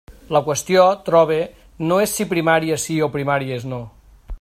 La qüestió, trobe, no és si primàries sí o primàries no.